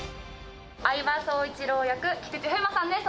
饗庭蒼一郎役菊池風磨さんです